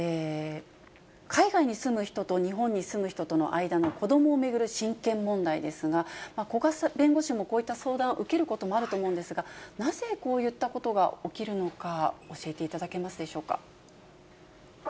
海外に住む人と日本に住む人との間の子どもを巡る親権問題ですが、古賀弁護士もこういった相談を受けることもあると思うんですが、なぜこういったことが起きるのか教えていただけますでしょうか。